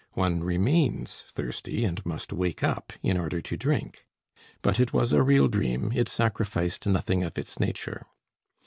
One remains thirsty, and must wake up in order to drink. But it was a real dream, it sacrificed nothing of its nature.